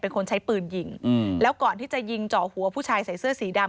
เป็นคนใช้ปืนยิงแล้วก่อนที่จะยิงเจาะหัวผู้ชายใส่เสื้อสีดำ